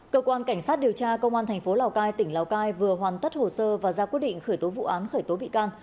cơ quan cảnh sát điều tra công an thành phố lào cai tỉnh lào cai vừa hoàn tất hồ sơ và ra quyết định khởi tố vụ án khởi tố bị can